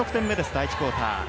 第１クオーター。